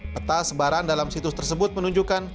peta sebaran dalam situs tersebut menunjukkan